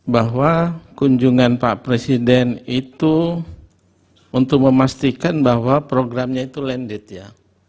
bahwa kunjungan pak presiden itu untuk memastikan bahwa programnya itu landed ya